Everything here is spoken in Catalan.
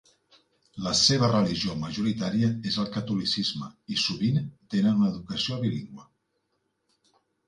La seva religió majoritària és el catolicisme i sovint tenen una educació bilingüe.